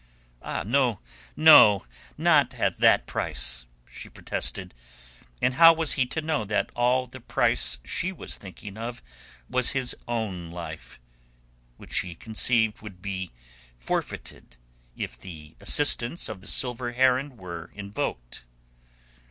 "Ah, no, no! Not at that price!" she protested. And how was he to know that all the price she was thinking of was his own life, which she conceived would be forfeited if the assistance of the Silver Heron were invoked?